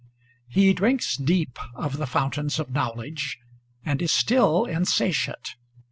He drinks deep of the fountains of knowledge and is still in satiate.